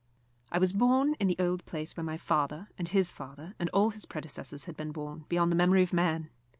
I was born in the old place where my father, and his father, and all his predecessors had been born, beyond the memory of man.